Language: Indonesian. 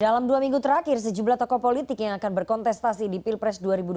dalam dua minggu terakhir sejumlah tokoh politik yang akan berkontestasi di pilpres dua ribu dua puluh